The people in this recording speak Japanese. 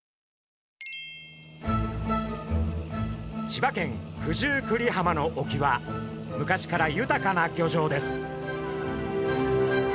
千葉県九十九里浜の沖は昔から豊かな漁場です。